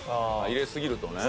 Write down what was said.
入れすぎるとね。